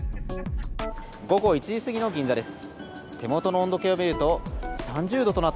午後１時過ぎの銀座です。